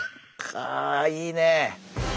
かあいいね。